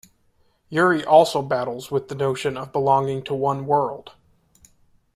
Yuri also battles with the notion of belonging to one world.